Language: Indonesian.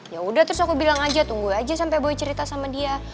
yaudah terus aku bilang aja tunggu aja sampe boy cerita sama dia